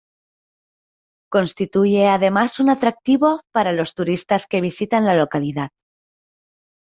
Constituye además un atractivo para los turistas que visitan la localidad.